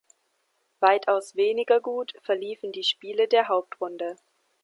Weitaus weniger gut verliefen die Spiele der Hauptrunde.